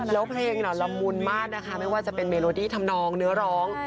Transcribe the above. แล้วเพลงละมุนมากนะคะไม่ว่าจะเป็นเมโลดี้ทำนองเนื้อร้อง